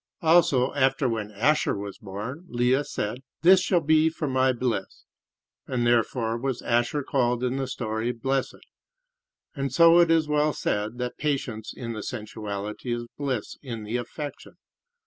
Also after when Asher was born, Leah said: "This shall be for my bliss"; and therefore was Asher called in the story "Blessed." And so it is well said that patience in the sensuality is bliss in the affection.